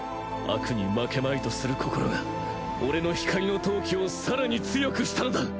悪に負けまいとする心が俺の光の闘気を更に強くしたのだ！